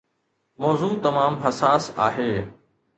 موضوع تمام حساس آهي.